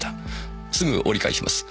すぐ折り返します。